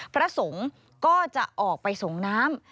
พระสงฆ์ก็จะออกไปส่งน้ำ